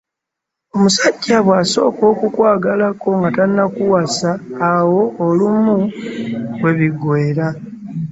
Omusajja bw'asooka okukwagalako nga tannakuwasa awo olumu we biggweera.